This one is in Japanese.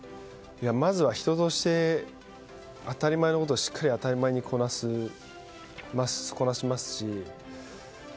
まずは人として当たり前のことをしっかり当たり前にこなしますし。